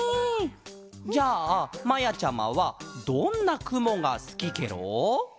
じゃあまやちゃまはどんなくもがすきケロ？